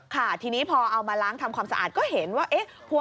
ค่ะทีนี้พอเอามาล้างทำความสะอาดก็เห็นว่าเอ๊ะ